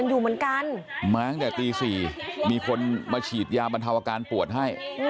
อยู่เหมือนกันมาตั้งแต่ตี๔มีคนมาฉีดยาบรรเทาอาการปวดให้